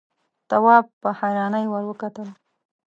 تواب په حيرانۍ ور وکتل.